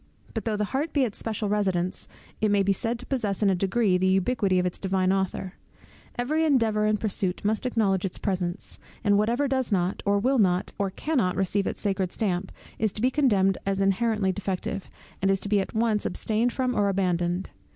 But though the heart be its special residence, it may be said to possess in a degree the ubiquity of its Divine Author. Every endeavour and pursuit must acknowledge its presence; and whatever does not, or will not, or cannot receive its sacred stamp, is to be condemned as inherently defective, and is to be at once abstained from or abandoned.